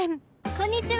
こんにちは！